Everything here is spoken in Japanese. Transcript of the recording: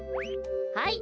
はい。